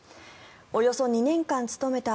およそ２年間勤めた